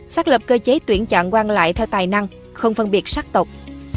xác lập cơ chế tuyển chọn quan lại theo tài năng không phân biệt sắc tộc